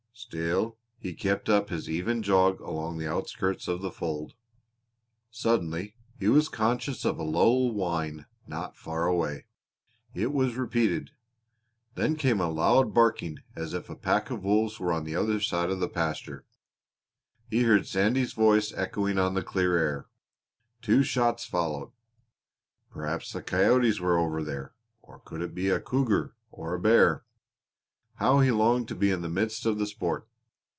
Still he kept up his even jog along the outskirts of the fold. Suddenly he was conscious of a low whine not far away. It was repeated. Then came a loud barking as if a pack of wolves were on the other side of the pasture. He heard Sandy's voice echoing on the clear air. Two shots followed. Perhaps the coyotes were over there; or could it be a cougar or a bear? How he longed to be in the midst of the sport!